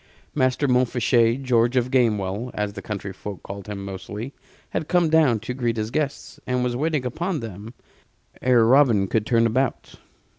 Master Montfichet George of Gamewell, as the country folk called him mostly had come down to greet his guests, and was waiting upon them ere Robin could turn about.